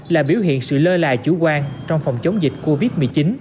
là biểu hiện sự lơ là chủ quan trong phòng chống dịch covid một mươi chín